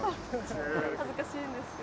ちょっと恥ずかしいんですけど。